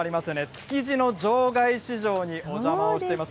築地の場外市場にお邪魔しています。